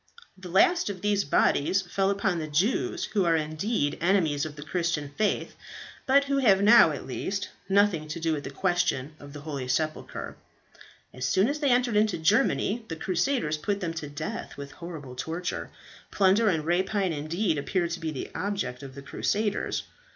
The last of these bodies fell upon the Jews, who are indeed enemies of the Christian faith, but who have now, at least, nothing to do with the question of the holy sepulchre. As soon as they entered into Germany the Crusaders put them to death with horrible torture. Plunder and rapine indeed appeared to be the object of the crusaders.